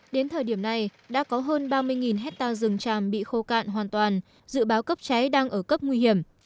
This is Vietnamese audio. đến thời điểm này đã có hơn ba mươi hectare rừng tràm bị khô cạn hoàn toàn dự báo cấp cháy đang ở cấp nguy hiểm